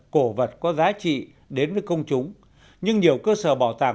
cổ vật có giá trị đến với công chúng nhưng nhiều cơ sở bảo tàng